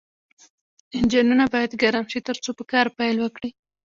انجنونه باید ګرم شي ترڅو په کار پیل وکړي